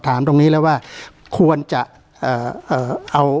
การแสดงความคิดเห็น